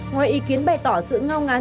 ngoài ý kiến bày tỏ sự ngao ngán